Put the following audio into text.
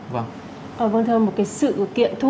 vâng thưa em một cái sự kiện thú